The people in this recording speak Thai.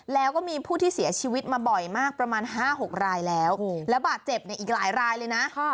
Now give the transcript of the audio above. แล้วก็มีผู้ที่เสียชีวิตมาบ่อยมากประมาณ๕๖รายแล้วแล้วบาดเจ็บเนี่ยอีกหลายรายเลยนะ